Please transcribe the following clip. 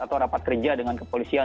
atau rapat kerja dengan kepolisian